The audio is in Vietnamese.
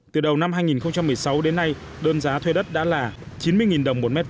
từ đầu năm hai nghìn một mươi sáu đến nay đơn giá thuê đất đã là chín mươi đồng một m hai